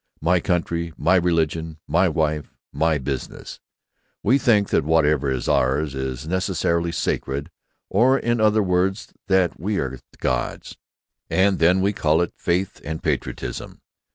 My country, my religion, my wife, my business—we think that whatever is ours is necessarily sacred, or, in other words, that we are gods—and then we call it faith and patriotism!